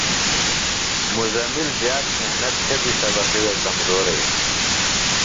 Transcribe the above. مزمل زیات محنت تھےۡ بیۡ سبقیۡ وے کمزورئی۔